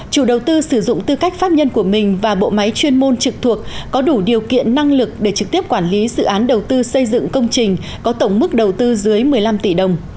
chủ đầu tư sử dụng tư cách pháp nhân của mình và bộ máy chuyên môn trực thuộc có đủ điều kiện năng lực để trực tiếp quản lý dự án đầu tư xây dựng công trình có tổng mức đầu tư dưới một mươi năm tỷ đồng